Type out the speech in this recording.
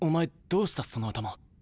どうしたその頭。